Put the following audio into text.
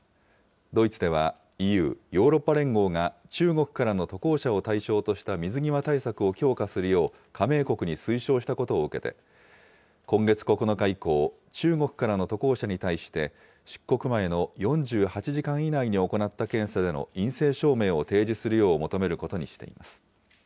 ドイツでは、ＥＵ・ヨーロッパ連合が中国からの渡航者を対象とした水際対策を強化するよう加盟国に推奨したことを受けて、今月９日以降、中国からの渡航者に対して、出国前の４８時間以内に行った検査での陰性証明を提示するよう求